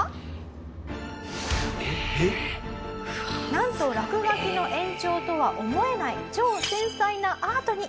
なんと落書きの延長とは思えない超繊細なアートに。